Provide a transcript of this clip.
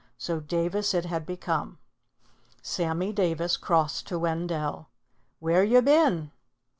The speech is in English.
So Davis it had become. Sammy Davis crossed to Wendell. "Where yer been?"